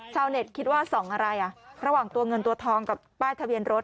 ชาวเน็ตคิดว่าส่องอะไรอ่ะระหว่างตัวเงินตัวทองกับป้ายทะเบียนรถ